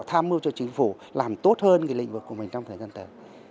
tham mưu cho chính phủ làm tốt hơn lĩnh vực của mình trong thời gian tới